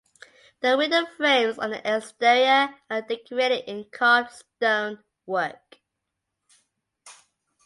The window frames on the exterior are decorated in carved stonework.